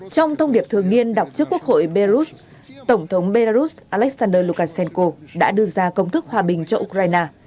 trong thông điệp thường niên đọc trước quốc hội belarus tổng thống belarus alexander lukashenko đã đưa ra công thức hòa bình cho ukraine